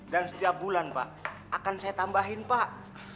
dan setiap bulan pak akan saya tambahin pak